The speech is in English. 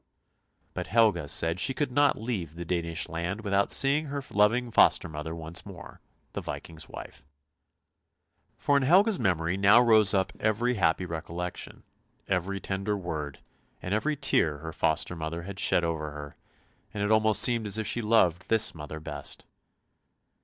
" But Helga said she could not leave the Danish land without seeing her loving foster mother once more, the Viking's wife. For in Helga's memory now rose up every happy recollection, every tender word, and every tear her foster mother had shed over her, and it almost seemed as if she loved this mother best.